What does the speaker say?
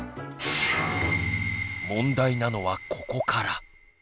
問題なのはここから。